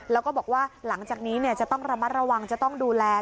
แล้วก็บอกว่าหลังจากนี้จะต้องระมัดระวังจะต้องดูแล